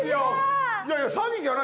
いやいや詐欺じゃない。